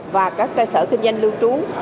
và các cơ sở kinh doanh lưu trú